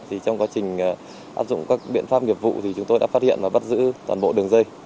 thì trong quá trình áp dụng các biện pháp nghiệp vụ thì chúng tôi đã phát hiện và bắt giữ toàn bộ đường dây